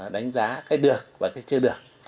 đánh giá cái được và cái chưa được